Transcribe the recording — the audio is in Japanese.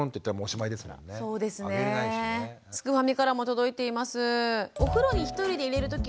すくファミからも届いています。